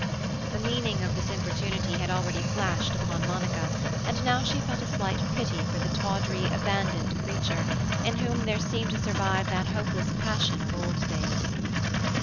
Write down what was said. The meaning of this importunity had already flashed upon Monica, and now she felt a slight pity for the tawdry, abandoned creature, in whom there seemed to survive that hopeless passion of old days.